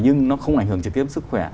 nhưng nó không ảnh hưởng trực tiếp sức khỏe